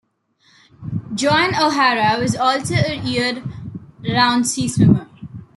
Joan O'Hara was also a year-round sea-swimmer.